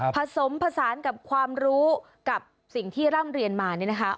ผสมผสานกับความรู้กับสิ่งที่ร่ำเรียนมานี่นะคะ